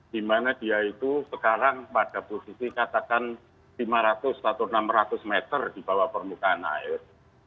di mana dia itu sekarang pada posisi katakan lima ratus atau enam ratus meter di bawah permukaan air